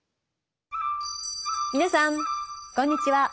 皆さんこんにちは。